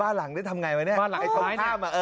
บ้านหลังนี่ทำไงไว้เนี่ย